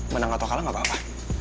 menang atau kalah gak apa apa